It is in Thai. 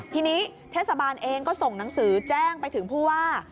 ทีนี้เทศบาลเองก็ส่งหนังสือแจ้งไปถึงผู้ว่า